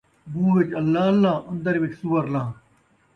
مون٘ہہ وِچ اللہ اللہ ، ان٘در وِچ سوّر لان٘ہہ